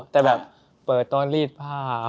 แต่แบบเปิดตอนรีดผ้า